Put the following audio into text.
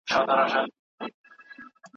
تبه د لومړیو نښو له ډلې ده.